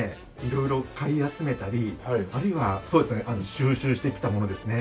色々買い集めたりあるいはそうですね収集してきたものですね。